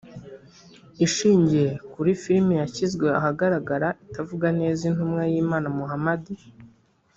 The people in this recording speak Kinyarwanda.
ishingiye kuri filimi yashyizwe ahagaragara itavuga neza intumwa y’Imana Mohammad